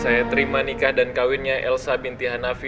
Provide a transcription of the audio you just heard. saya terima nikah dan kawinnya elsa binti hanafi